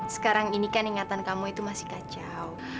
sekarang ini kan ingatan kamu itu masih kacau